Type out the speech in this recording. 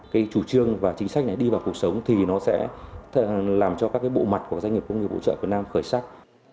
cái chủ trương và chính sách này đi vào cuộc sống thì nó sẽ làm cho các cái bộ mặt của doanh nghiệp công nghiệp hỗ trợ việt nam khởi sắc